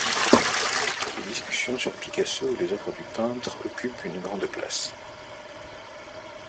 Les discussions sur Picasso ou les œuvres du peintre occupent une grand place.